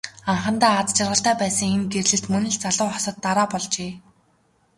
Анхандаа аз жаргалтай байсан энэ гэрлэлт мөн л залуу хосод дараа болжээ.